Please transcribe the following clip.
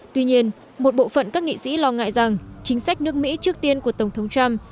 tuy nhiên một bộ phận các nghị sĩ lo ngại rằng chính sách nước mỹ trước tiên của tổng thống trump